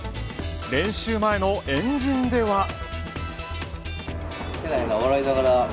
練習前の円陣では。